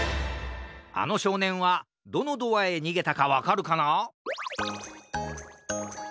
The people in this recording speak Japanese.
あのしょうねんはどのドアへにげたかわかるかな？